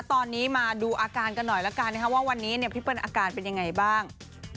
ตอนนี้มาดูอาการกันหน่อยแล้วกันว่าวันนี้พี่เปิ้ลอาการเป็นยังไงบ้าง